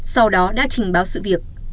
sau đó đã trình báo sự việc